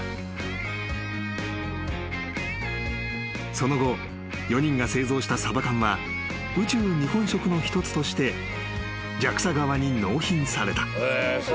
［その後４人が製造したサバ缶は宇宙日本食の一つとしてＪＡＸＡ側に納品された］